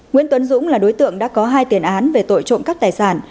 nguyễn tuấn dũng là đối tượng đã có hai tiền án về tội trộm cắp tài sản